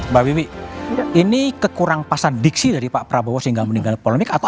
mbak bibi ini kekurang pasan diksi dari pak prabowo sehingga meninggal polemik atau